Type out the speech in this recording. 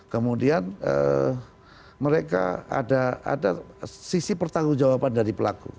kemudian mereka ada sisi pertanggung jawaban dari pelaku